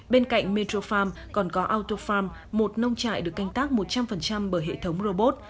bên cạnh metro farm còn có autofarm một nông trại được canh tác một trăm linh bởi hệ thống robot